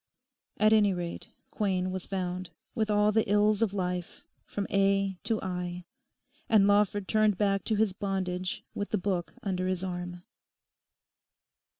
At any rate Quain was found, with all the ills of life, from A to I; and Lawford turned back to his bondage with the book under his arm.